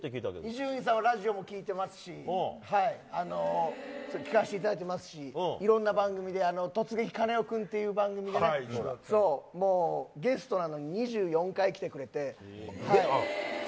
伊集院さんのラジオ聞かせていただいてますしいろんな番組で「突撃カネオ君」という番組でゲストなのに２４回、来てくれて。